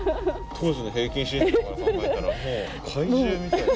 当時の平均身長から考えたら怪獣みたいな。